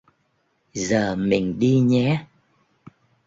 Giờ mình đi nhé